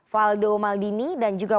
valdo maldini dan juga